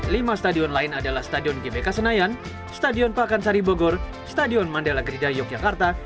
lima stadion lain adalah stadion gbk senayan stadion pakansari bogor stadion mandala gerida yogyakarta